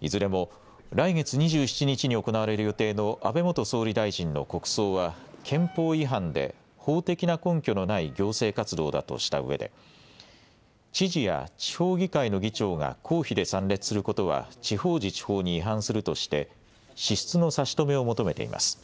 いずれも来月２７日に行われる予定の安倍元総理大臣の国葬は憲法違反で法的な根拠のない行政活動だとしたうえで、知事や地方議会の議長が公費で参列することは地方自治法に違反するとして支出の差し止めを求めています。